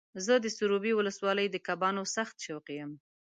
زه د سروبي ولسوالۍ د کبانو سخت شوقي یم.